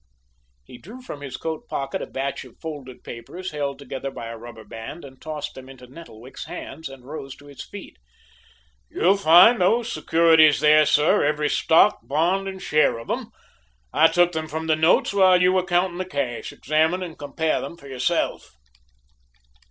He drew from his coat pocket a batch of folded papers held together by a rubber band, tossed them into Nettlewick's hands, and rose to his feet. "You'll find those securities there, sir, every stock, bond, and share of 'em. I took them from the notes while you were counting the cash. Examine and compare them for yourself."